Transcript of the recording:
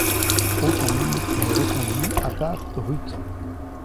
Aucun ministre n'est reconduit, à part Rutte.